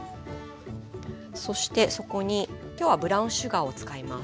そしてそこに今日はブラウンシュガーを使います。